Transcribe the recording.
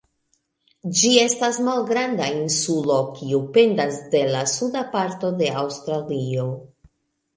Ĝi estas malgranda insulo, kiu pendas de la suda parto de Aŭstralio.